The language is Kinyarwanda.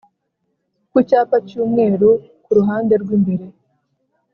ku cyapa cy’umweru ku ruhande rw’imbere